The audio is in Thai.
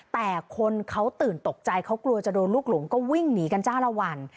แต่คนเขาตื่นตกใจเขากลัวจะโดนลูกหลงก็วิ่งหนีกันจ้าละวัน